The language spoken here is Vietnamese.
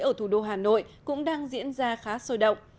ở thủ đô hà nội cũng đang diễn ra khá sôi động